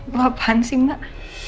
lo apaan sih mbak